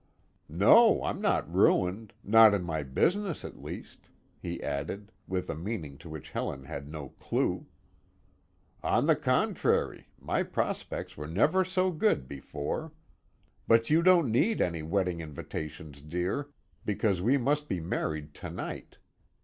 "No, I'm not ruined not in my business at least," he added, with a meaning to which Helen had no clew. "On the contrary, my prospects were never so good before. But you don't need any wedding invitations, dear, because we must be married to night.